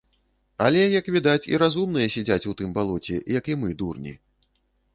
Але, як відаць, і разумныя сядзяць у тым балоце, як і мы, дурні!